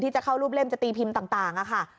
จะเข้ารูปเล่มจะตีพิมพ์ต่างค่ะ